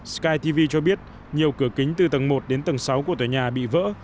sky tv cho biết nhiều cửa kính từ tầng một đến tầng sáu của tòa nhà bị vỡ